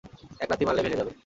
এক লাথি মারলেই ভেঙে যাবে।